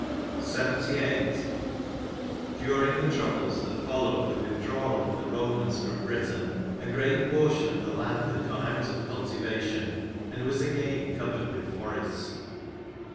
156 LXXVIII. During the troubles that followed the withdrawal of the Bomans from Britain, a great portion of the land had gone out of cultivation and was again covered with forest.